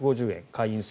会員数